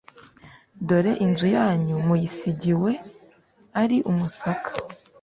Dore inzu yanyu muyisigiwe ari umusaka